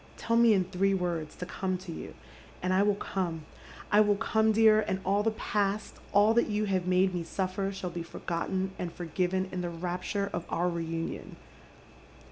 Tell me in three words to come to you, and I will come. 1 will come, dear, and all the past, all that you have made me suflEer, shall be forgotten and forgiven in the rapture of our reunion.